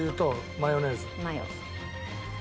マヨ。